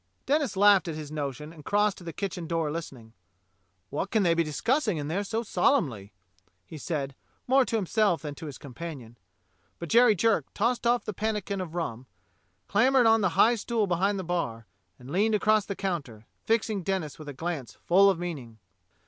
Denis laughed at his notion and crossed to the kitchen door listening. " What can they be discussing in there so solemnly.^" he said, more to himself than to his THE COMING OF THE KING'S MEN 21 companion. But Jerry Jerk tossed off the pannikin of rum, clambered on the high stool behind the bar, and leaned across the counter, fixing Denis with a glance full of meaning.